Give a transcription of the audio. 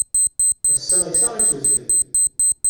Ass-a, issaɣ-itt udfel.